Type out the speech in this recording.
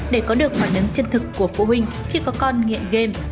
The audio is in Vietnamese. để có được phản ứng chân thực của phụ huynh khi có con nghiện game